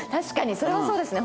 それはそうですね